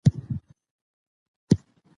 په ټولنه کې باید انصاف موجود وي.